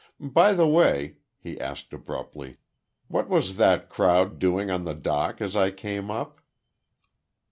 By the way," he asked, abruptly, "what was that crowd doing on the dock as I came up?"